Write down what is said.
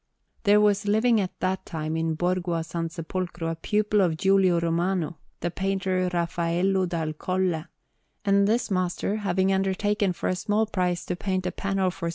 There was living at that time in Borgo a San Sepolcro a pupil of Giulio Romano, the painter Raffaello dal Colle; and this master, having undertaken for a small price to paint a panel for S.